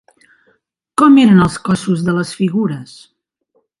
Com eren els cossos de les figures?